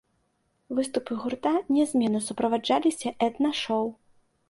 Выступы гурта нязменна суправаджаліся этна-шоў.